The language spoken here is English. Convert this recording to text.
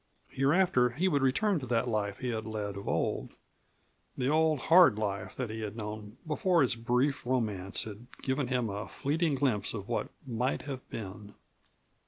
Hereafter he would return to that life that he had led of old; the old hard life that he had known before his brief romance had given him a fleeting glimpse of what might have been.